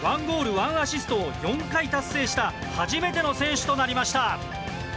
１アシストを４回達成した初めての選手となりました。